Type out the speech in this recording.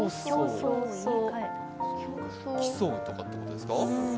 競うとかということですか？